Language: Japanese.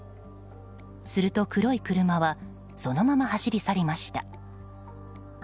すると黒い車はそのまま走り去りました。